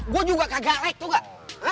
gue juga kagak like tau gak